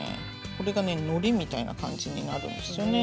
これがねのりみたいな感じになるんですよね。